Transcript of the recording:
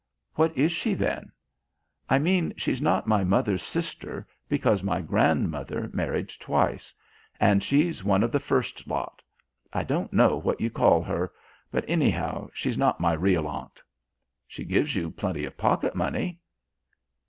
"What is she, then?" "I mean she's not my mother's sister, because my grandmother married twice; and she's one of the first lot. I don't know what you call her, but anyhow she's not my real aunt." "She gives you plenty of pocket money."